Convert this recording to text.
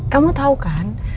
kamu tau kan